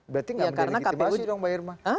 berarti nggak menderigitimasi dong mbak irma